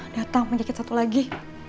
datang mau nyekit satu lagi